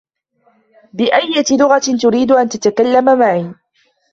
بأيّة لغة تريد أن تتكلم معي ؟